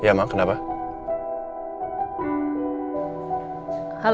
kita tinggal disana aja ya